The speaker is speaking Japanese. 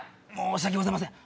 申し訳ございません。